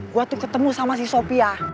gua tuh ketemu sama si sophia